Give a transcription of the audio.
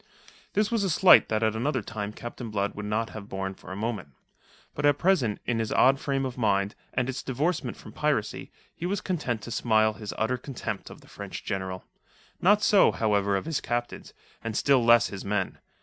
This was a slight that at another time Captain Blood would not have borne for a moment. But at present, in his odd frame of mind, and its divorcement from piracy, he was content to smile his utter contempt of the French General. Not so, however, his captains, and still less his men.